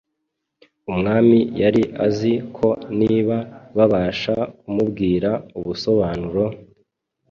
Umwami yari azi ko niba babasha kumubwira ubusobanuro,